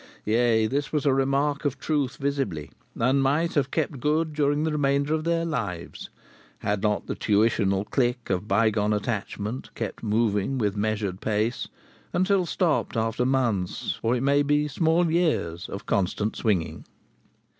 Yea, this was a remark of truth visibly, and might have kept good during the remainder of their lives had not the tuitional click of bygone attachment kept moving with measured pace, until stopped after months, or it may be, small years of constant swinging.